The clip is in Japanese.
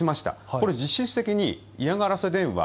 これ、実質的に嫌がらせ電話